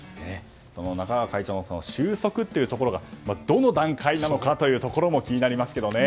中川会長の言う収束というところがどの段階なのかというところも気になりますけどね。